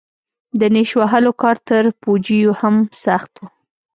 د نېش وهلو کار تر پوجيو هم سخت و.